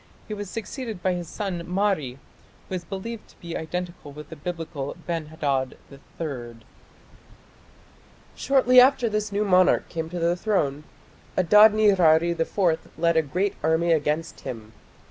He was succeeded by his son Mari, who is believed to be identical with the Biblical Ben Hadad III. Shortly after this new monarch came to the throne, Adad nirari IV led a great army against him.